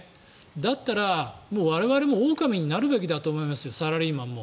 だったら、我々もオオカミになるべきだと思いますサラリーマンも。